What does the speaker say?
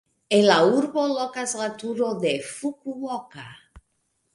En la urbo lokas la Turo de Fukuoka.